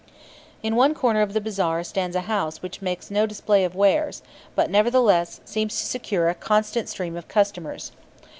In one corner of the bazaar stands a house which makes no display of wares, but, nevertheless, seems to secure a constant stream of customers.